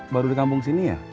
baru di kampung sini ya